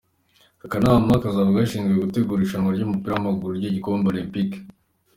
Aka kanama kazaba gashinzwe gutegura irushanwa ry’umupira w’amaguru ry’igikombe Olempike.